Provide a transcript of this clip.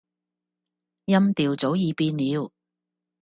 音調早已變了